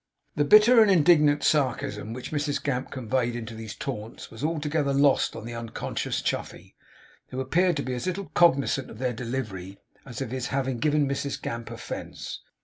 The bitter and indignant sarcasm which Mrs Gamp conveyed into these taunts was altogether lost on the unconscious Chuffey, who appeared to be as little cognizant of their delivery as of his having given Mrs Gamp offence.